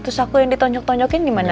terus aku yang ditonjok tonyokin gimana